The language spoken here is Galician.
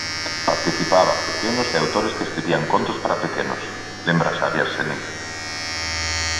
Participaban pequenos e autores que escribían contos para pequenos, lembra Xavier Senín.